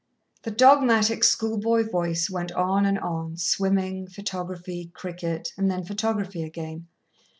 The dogmatic schoolboy voice went on and on swimming, photography, cricket, and then photography again.